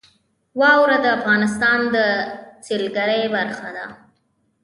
واوره د افغانستان د سیلګرۍ برخه ده.